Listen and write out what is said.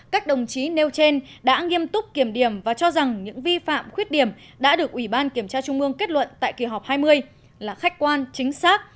các đồng chí nêu trên đã nghiêm túc kiểm điểm và cho rằng những vi phạm khuyết điểm đã được ủy ban kiểm tra trung ương kết luận tại kỳ họp hai mươi là khách quan chính xác